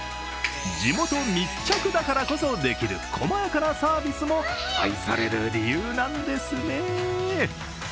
地元密着だからこそできる細やかなサービスも愛される理由なんですね。